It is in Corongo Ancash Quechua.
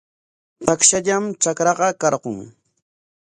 Takshallam trakraqa karqun.